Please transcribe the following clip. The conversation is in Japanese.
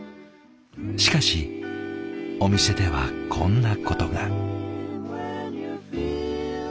しかしお店ではこんなことが。